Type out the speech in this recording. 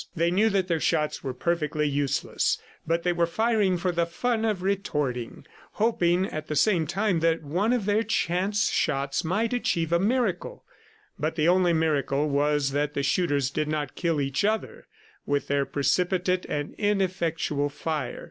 They knew that their shots were perfectly useless, but they were firing for the fun of retorting, hoping at the same time that one of their chance shots might achieve a miracle; but the only miracle was that the shooters did not kill each other with their precipitate and ineffectual fire.